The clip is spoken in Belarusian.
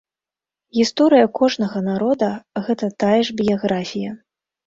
Гісторыя кожнага народа, гэта тая ж біяграфія.